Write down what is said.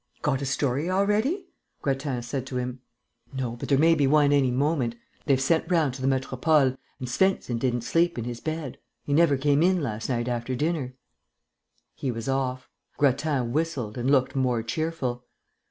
"Got a story already?" Grattan said to him. "No, but there may be one any moment. They've sent round to the Metropole, and Svensen didn't sleep in his bed. He never came in last night after dinner." He was off. Grattan whistled, and looked more cheerful.